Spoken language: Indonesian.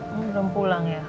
belum pulang ya